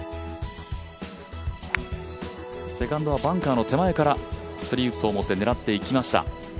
セカンドはバンカーの手前から、３ウッドを持って狙っていきました。